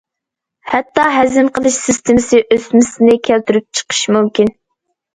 ھەتتا ھەزىم قىلىش سىستېمىسى ئۆسمىسىنى كەلتۈرۈپ چىقىشى مۇمكىن.